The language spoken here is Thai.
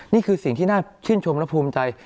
นี่คือสิ่งที่น่าชื่นชมและภูมิใจ